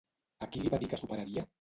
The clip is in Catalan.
A qui li va dir que superaria?